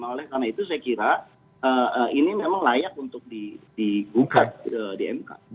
oleh karena itu saya kira ini memang layak untuk digugat di mk